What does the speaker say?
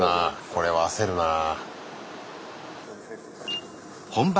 これは焦るなぁ。